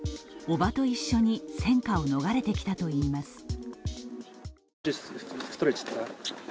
おばと一緒に戦火を逃れてきたといいます。